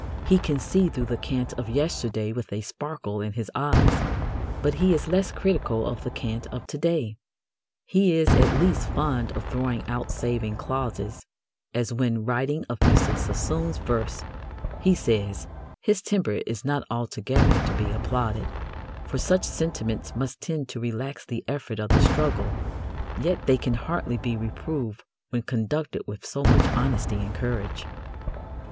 He can see through the cant of yesterday with a sparkle in his eyes, but he is less critical of the cant of to day. He is at least fond of throwing out saving clauses, as when, writing of Mr. Sassoon's verse, he says: "His temper is not altogether to be applauded, for such sentiments must tend to relax the effort of the struggle, yet they can hardly be reproved when conducted with so much honesty and courage."